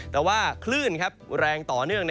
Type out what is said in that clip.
แต่ว่าคลื่นแรงต่อเนื่อง